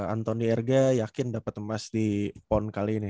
antoni erga yakin dapat emas di pon kali ini